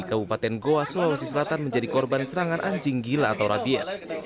kabupaten goa sulawesi selatan menjadi korban serangan anjing gila atau rabies